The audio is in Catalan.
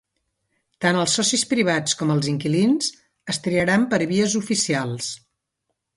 Tant els socis privats com els inquilins es triaran per vies oficials.